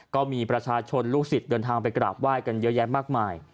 ก็มีประชาชนลูกศิษย์เดินทางไปกราบไหว้กันเยอะแยะมากมาย